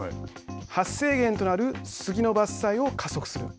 発生源となるスギの伐採を加速する。